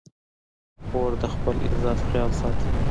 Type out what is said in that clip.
خور د خپل عزت خیال ساتي.